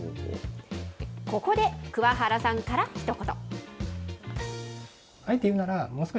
ここでくわ原さんからひと言。